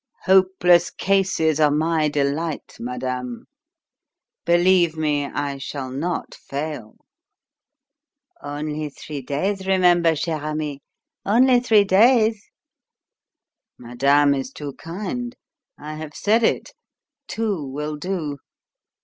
"Hopeless cases are my delight, madame. Believe me, I shall not fail." "Only three days, remember, cher ami only three days!" "Madame is too kind. I have said it: two will do.